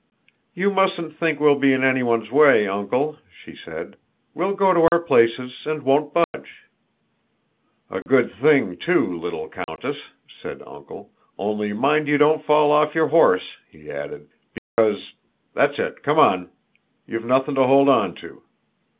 "You mustn't think we'll be in anyone's way, Uncle," she said. "We'll go to our places and won't budge." "A good thing too, little countess," said "Uncle," "only mind you don't fall off your horse," he added, "because—that's it, come on!—you've nothing to hold on to."